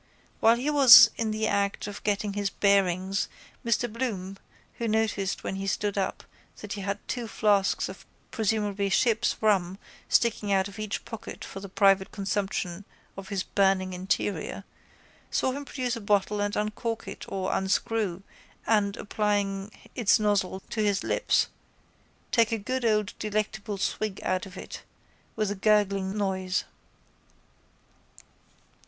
While he was in the act of getting his bearings Mr Bloom who noticed when he stood up that he had two flasks of presumably ship's rum sticking one out of each pocket for the private consumption of his burning interior, saw him produce a bottle and uncork it or unscrew and, applying its nozzle to his lips, take a good old delectable swig out of it with a gurgling noise.